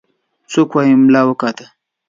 څوك وايي ملا وګاټه.